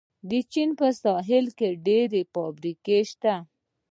د چین په سویل کې ډېرې فابریکې شته.